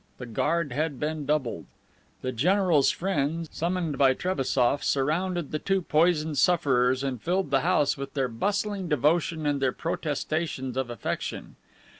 The guard had been doubled. The general's friends, summoned by Trebassof, surrounded the two poisoned sufferers and filled the house with their bustling devotion and their protestations of affection.